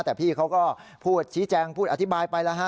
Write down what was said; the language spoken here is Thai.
แต่พี่เขาก็พูดชี้แจงพูดอธิบายไปแล้วฮะ